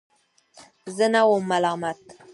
زه نه وم ملامت.